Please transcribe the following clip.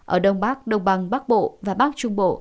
ở đông bắc đông bằng bắc bộ và bắc trung bộ